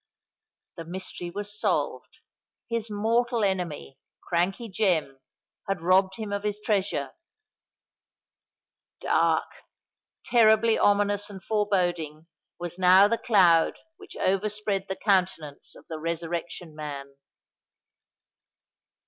The mystery was solved: his mortal enemy, Crankey Jem, had robbed him of his treasure! Dark—terribly ominous and foreboding—was now the cloud which overspread the countenance of the Resurrection Man.